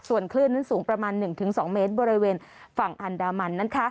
ส่วนคลื่นนั้นสูงประมาณ๑๒เมตรบริเวณฝั่งอันดามัน